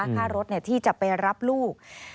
ค่ารถที่จะไปรับลูก